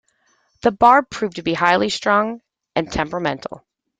The Barb proved to be highly strung and temperamental.